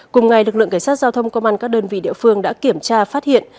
cùng ngày lực lượng cảnh sát giao thông công an các đơn vị địa phương đã kiểm tra phát hiện